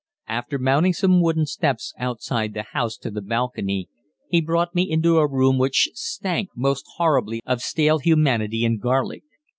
After mounting some wooden steps outside the house to the balcony he brought me into a room which stank most horribly of stale humanity and garlic.